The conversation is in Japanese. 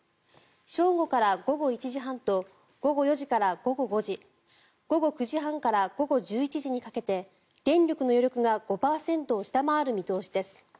正午から午後１時半と午後４時から午後５時午後９時半から午後１１時にかけて電力の余力が５％を下回る見通しです。